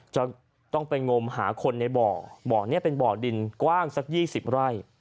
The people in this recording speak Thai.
จะต้องไปงมหาคนในบ่อบ่อนี้เป็นบ่อดินกว้างสัก๒๐ไร่